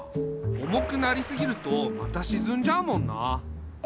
重くなりすぎるとまたしずんじゃうもんな。